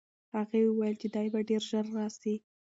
هغه وویل چې دی به ډېر ژر راسي.